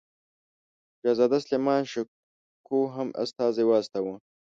شهزاده سلیمان شکوه هم استازی واستاوه.